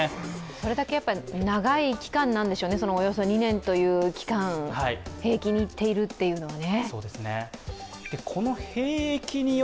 それだけ長い期間なんでしょうね、およそ２年という期間、兵役に行っているというのはね。